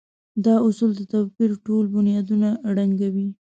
دا اصول د توپير ټول بنيادونه ړنګوي.